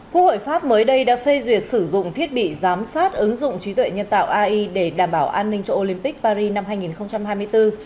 quốc hội pháp mới đây đã phê duyệt sử dụng thiết bị giám sát ứng dụng trí tuệ nhân tạo ai để đảm bảo an ninh cho olympic paris năm hai nghìn hai mươi bốn